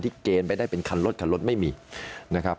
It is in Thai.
เกณฑ์ไปได้เป็นคันรถคันรถไม่มีนะครับ